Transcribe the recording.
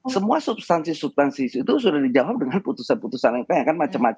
semua substansi substansi itu sudah dijawab dengan putusan putusan yang banyak